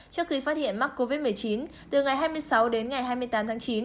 trước khi phát hiện mắc covid một mươi chín từ ngày hai mươi sáu đến ngày hai mươi tám tháng chín